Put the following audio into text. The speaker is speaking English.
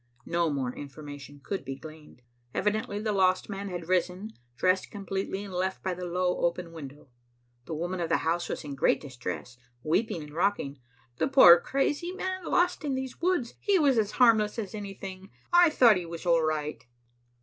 No more information could be gleaned. Evidently the lost man had risen, dressed completely, and left by the low open window. The woman of the house was in great distress, weeping and rocking. "The poor crazy man, lost in these woods. He was as harmless as anything. I thought he was all right."